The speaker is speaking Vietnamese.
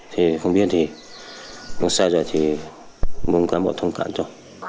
thì không biết thì không xa rồi thì mong các bộ thông cản cho